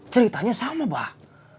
ceritanya sama mbah